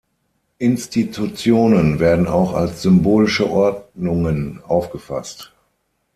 Institutionen werden auch als symbolische Ordnungen aufgefasst.